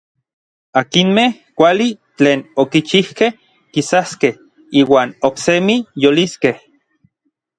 Akinmej kuali tlen okichijkej kisaskej iuan oksemi yoliskej.